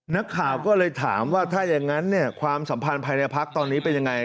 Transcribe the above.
นักข่าวก็เลยถามว่าถ้าอย่างนั้นเนี่ยความสัมพันธ์ภายในพักตอนนี้เป็นยังไง